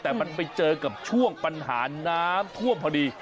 แต่มันไปเจอกับช่วงปัญหาน้ำท่วมพอดี